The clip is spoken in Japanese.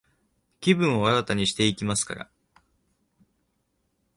気分を新たにしていきますから、